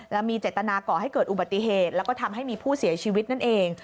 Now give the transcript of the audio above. และมีเจตนาก่อให้เกิดอุบัติเหตุแล้วก็ทำให้มีผู้เสียชีวิตนั่นเอง